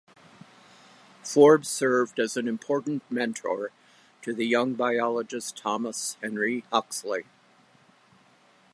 Forbes served as an important mentor to the young biologist Thomas Henry Huxley.